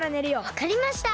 わかりました。